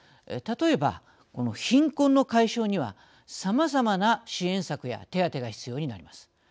例えば、貧困の解消にはさまざまな支援策や手当が必要になります。